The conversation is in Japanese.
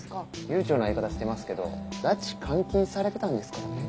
悠長な言い方してますけど拉致監禁されてたんですからね。